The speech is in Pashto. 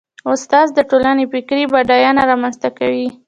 استاد د ټولنې فکري بډاینه رامنځته کوي.